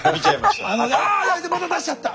ああまた出しちゃった！